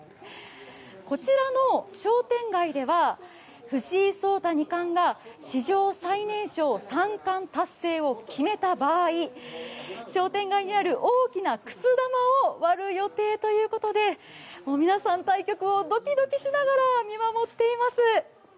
こちらの商店街では、藤井聡太二冠が史上最年少三冠達成を決めた場合商店街にある大きなくす玉を割る予定ということで皆さん、対局をドキドキしながら見守っています。